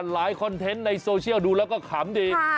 คอนเทนต์ในโซเชียลดูแล้วก็ขำดี